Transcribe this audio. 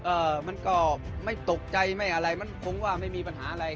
เอ่อมันก็ไม่ตกใจไม่อะไรมันคงว่าไม่มีปัญหาอะไร